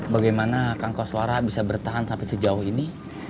bagaimana kangkau suara bisa bertahan sampai sejauh ini